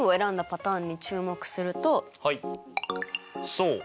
そう。